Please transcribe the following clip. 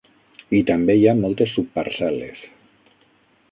I també hi ha moltes subparcel·les.